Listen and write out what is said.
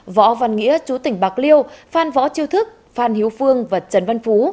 võ văn nghĩa chú tỉnh bạc liêu phan võ chiêu thức phan hiếu phương và trần văn phú